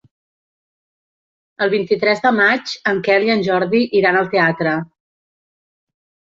El vint-i-tres de maig en Quel i en Jordi iran al teatre.